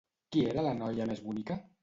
Qui era la noia més bonica?